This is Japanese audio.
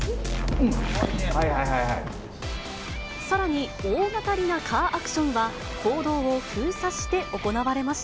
さらに大がかりなカーアクションは、公道を封鎖して行われました。